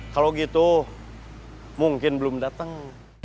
kalau gitu mungkin belum datang